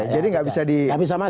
jadi gak bisa di